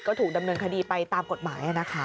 ก็ถูกดำเนินคดีไปตามกฎหมายนะคะ